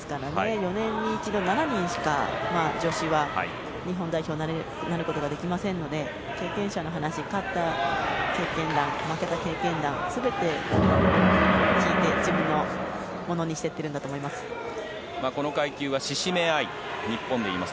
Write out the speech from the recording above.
４年に一度、７人しか女子は日本代表になることができませんので経験者の話勝った経験談、負けた経験談全て聞いて自分のものにしていっているんだと思います。